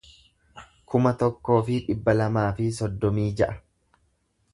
kuma tokkoo fi dhibba lamaa fi soddomii ja'a